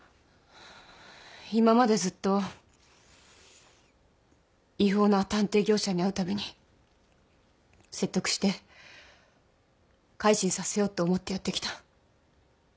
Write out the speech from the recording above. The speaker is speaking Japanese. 今までずっと違法な探偵業者に会うたびに説得して改心させようって思ってやってきた。